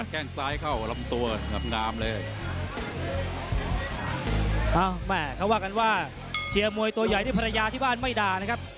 เขาว่ากันว่าเชียร์มวยตัวใหญ่ที่ภรรยาที่บ้านไม่ด่านะครับ